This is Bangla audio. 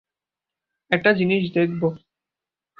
একটা জিনিস দেখবো।